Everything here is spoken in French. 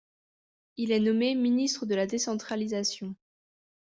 Il est nommé ministre de la Décentralisation.